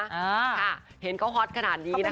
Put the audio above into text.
ค่ะเห็นเขาฮอตขนาดนี้นะคะ